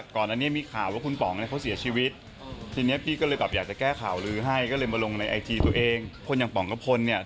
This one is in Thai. โตลมานก่อน๗วันแล้วถึงตาย